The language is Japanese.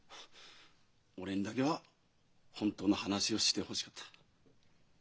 俺にだけは本当の話をしてほしかった。